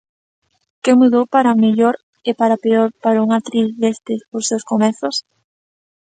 Que mudou para mellor e para peor para unha actriz desde os seus comezos?